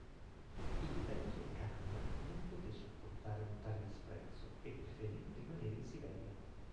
Il vecchio khan non poté sopportare un tale disprezzo e preferì rimanere in Siberia.